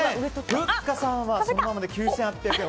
ふっかさんはそのままで９８００円。